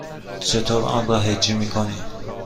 چطور آن را هجی می کنی؟